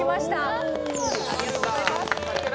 ありがとうございます。